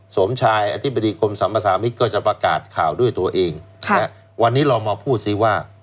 สมชายอธิบดีกรมสรรพสามิตรก็จะประกาศข่าวด้วยตัวเองวันนี้เรามาพูดซิว่า